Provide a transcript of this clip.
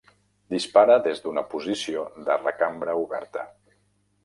Dispara des d'una posició de recambra oberta.